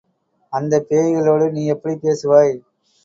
அந்தப் பேய்களோடு நீ எப்படிப் பேசுவாய்?